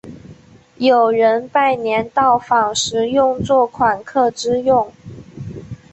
有人拜年到访时用作款客之用。